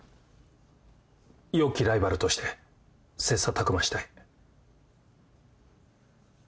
良きライバルとして切磋琢磨したい。